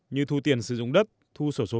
như thu tiền sử dụng đất thu sổ số